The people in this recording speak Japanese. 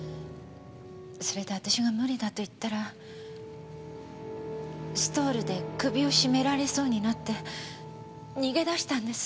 それで私が無理だと言ったらストールで首をしめられそうになって逃げ出したんです。